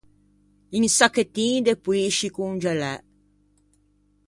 Un sacchettin de poïsci congelæ.